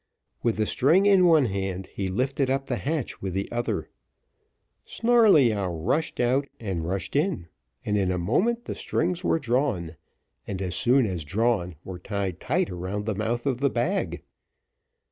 With the string in one hand, he lifted up the hatch with the other. Snarleyyow rushed out and rushed in, and in a moment the strings were drawn, and as soon as drawn were tied tight round the mouth of the bag.